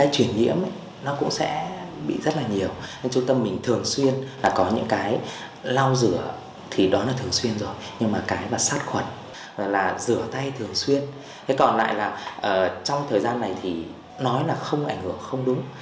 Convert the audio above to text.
còn lại trong thời gian này thì nói là không ảnh hưởng không đúng